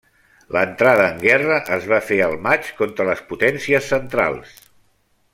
L'entrada en guerra es va fer el maig contra les Potències Centrals.